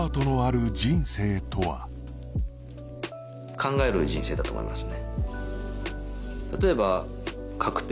考える人生だと思いますね